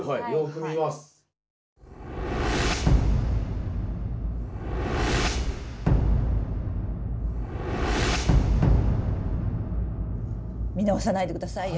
見逃さないで下さいよ。